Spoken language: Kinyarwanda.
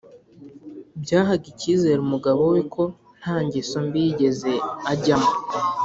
byahaga icyizere umugabo we ko nta ngeso mbi yigeze ajyamo